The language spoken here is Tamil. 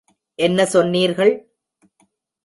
என்ன சொன்னீர்கள்?